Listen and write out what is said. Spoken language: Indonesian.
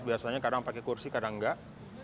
biasanya kadang pakai kursi kadang enggak